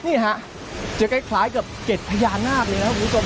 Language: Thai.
นี่ค่ะจะใกล้กับเกร็ดพญานาคเลยนะครับ